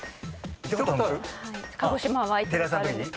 鹿児島は行ったことあるんです。